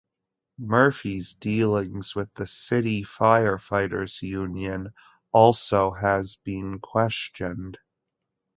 Murphy's dealings with the city firefighters union also has been questioned.